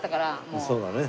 そうだね。